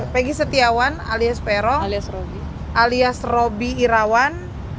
peggy setiawan alias perong alias robi irawan